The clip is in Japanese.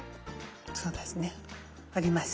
そうですね。あります。